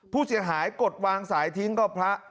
ผู้เสียหายกดวางสายทิ้งก็พระ